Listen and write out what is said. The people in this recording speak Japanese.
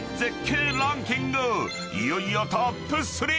［いよいよトップ３！］